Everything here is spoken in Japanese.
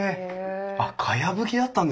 あっかやぶきだったんですね。